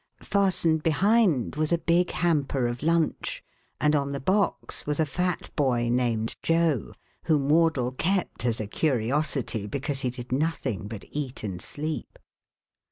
Fastened behind was a big hamper of lunch and on the box was a fat boy named Joe, whom Mr. Wardle kept as a curiosity because he did nothing but eat and sleep.